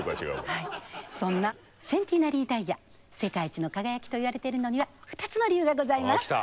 そんなセンティナリー・ダイヤ世界一の輝きといわれているのには２つの理由がございます。